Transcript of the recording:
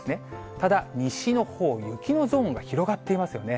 ただ、西のほう、雪のゾーンが広がっていますよね。